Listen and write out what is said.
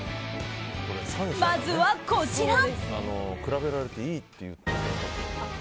まずは、こちら！